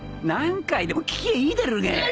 何回でも聞きゃいいだろうが！